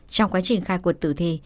trong quá trình khai cuộc tử thi